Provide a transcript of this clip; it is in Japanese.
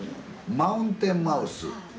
「マウンテンマウス」？